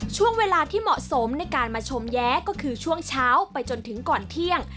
ช่วงเวลาที่เหมาะสมในการมาชมแย้ก็คือช่วงเช้าไปจนถึงก่อนเที่ยง